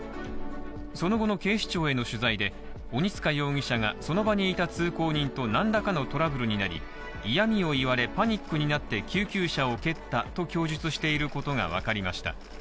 その後の警視庁への取材で鬼束容疑者がその場にいた通行人と何らかのトラブルになり、嫌味を言われパニックになって救急車を蹴ったと供述していることがわかりました。